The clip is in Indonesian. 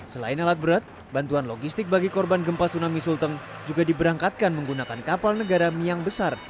selain alat berat bantuan logistik bagi korban gempa tsunami sulteng juga diberangkatkan menggunakan kapal negara miang besar